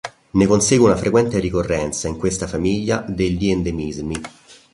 Ne consegue una frequente ricorrenza, in questa famiglia, degli endemismi.